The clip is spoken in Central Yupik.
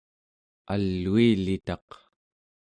aluilitaq